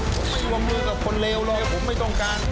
ผมไม่วงมือกับคนเลวเลยผมไม่ต้องการ